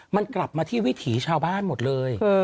มันกลับมาที่วิถีชาวบ้านหมดเลย